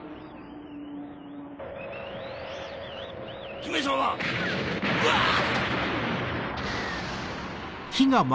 姫様うわっ！